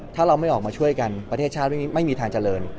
ถ้าเราไม่ออกมาช่วยกันประเทศชาติไม่มีทางเจริญ